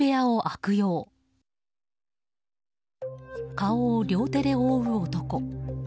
顔を両手で覆う男。